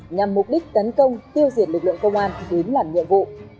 nhằm mục đích tấn công tiêu diệt lực lượng công an đến làm nhiệm vụ